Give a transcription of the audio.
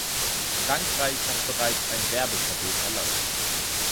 Frankreich hat bereits ein Werbeverbot erlassen.